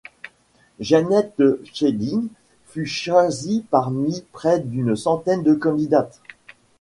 Janet Fielding fut choisie parmi près d'une centaine de candidate.